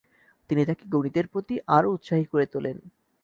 তিনি তাকে গণিতের প্রতি আরো উৎসাহী করে তোলেন।